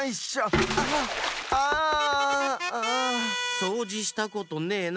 そうじしたことねえな？